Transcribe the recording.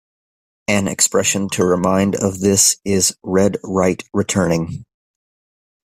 An expression to remind of this is "red right returning".